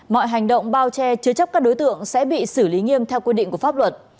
mọi hành động bao che chứa chấp các đối tượng sẽ bị xử lý nghiêm theo quy định của pháp luật